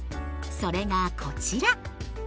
それがこちら！